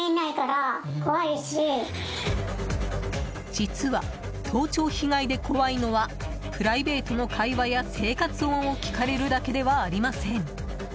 実は、盗聴被害で怖いのはプライベートの会話や生活音を聞かれるだけではありません。